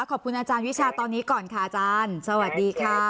ขอบคุณอาจารย์วิชาตอนนี้ก่อนค่ะอาจารย์สวัสดีค่ะ